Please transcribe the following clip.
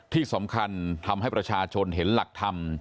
ที่สำคัญทำให้ประชาชนเห็นหลักธรรม